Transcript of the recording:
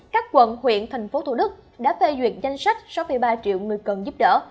các quận huyện thành phố thủ đức đã phê duyệt danh sách sáu mươi ba triệu người cần giúp đỡ